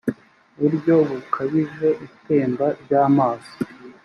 buryo bukabije itemba ry amazi